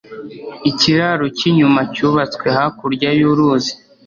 Ikiraro cyicyuma cyubatswe hakurya yuruzi.